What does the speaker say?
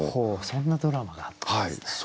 そんなドラマがあったんですね。